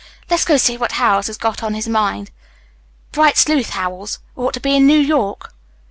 Let's go see what Howells has got on his mind. Bright sleuth, Howells! Ought to be in New York."